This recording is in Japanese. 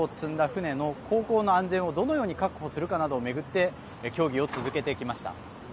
船の航行の安全をどのように確保するかなどを巡って協議を続けてきました。